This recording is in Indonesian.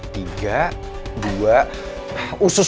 tiga dua usus goreng